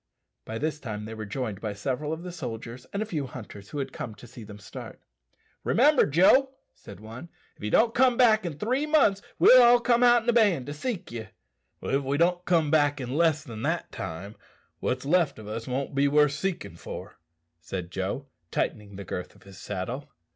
By this time they were joined by several of the soldiers and a few hunters who had come to see them start. "Remember, Joe," said one, "if you don't come back in three months we'll all come out in a band to seek you." "If we don't come back in less than that time, what's left o' us won't be worth seekin' for," said Joe, tightening the girth of his saddle.